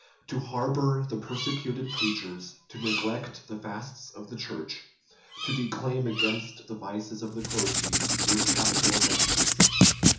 To harbor the persecuted preachers, to neglect the fasts of the church, to declaim against the vices of the clergy, were capital offences.